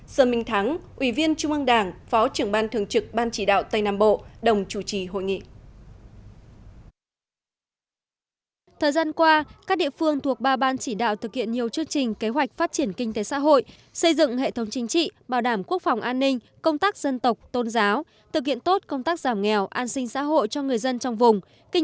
sơn minh thắng ủy viên trung ương đảng phó trưởng ban thường trực ban chỉ đạo tây nam bộ đồng chủ trì hội nghị